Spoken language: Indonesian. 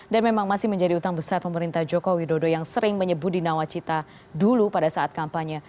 dan memang masih menjadi utang besar pemerintah joko widodo yang sering menyebut di nawacita dulu pada saat kampanye